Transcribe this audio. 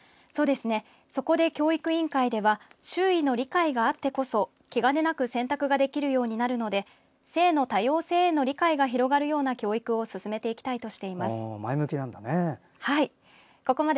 そこで教育委員会では周囲の理解があってこそ気兼ねなく選択ができるようになるので性の多様性への理解が広がるような教育を進めていきたいとしています。